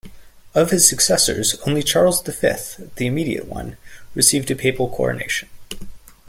Of his successors only Charles the Fifth, the immediate one, received a papal coronation.